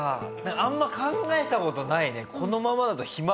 あんま考えた事ないね。